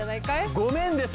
「ごめん」です。